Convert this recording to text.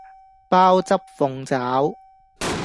鮑汁鳳爪